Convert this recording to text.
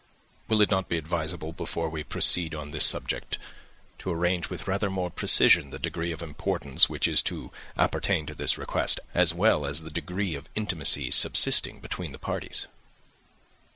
"Will it not be advisable, before we proceed on this subject, to arrange with rather more precision the degree of importance which is to appertain to this request, as well as the degree of intimacy subsisting between the parties?"